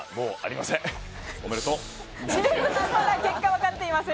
まだ結果が分かっていません